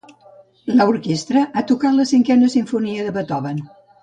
L'orquestra ha tocat la cinquena simfonia de Beethoven.